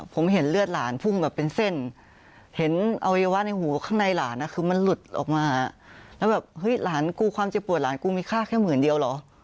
แต่เรื่องค่าไอ้นั่นที่ว่าภาษาให้มาเรื่องค่าหน่านานแค่หมื่นเดียว